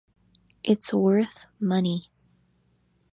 It's worth money.